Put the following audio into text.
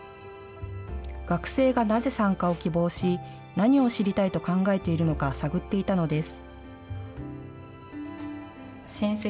学生が、なぜ参加を希望し何を知りたいと考えているのか探っていたのです。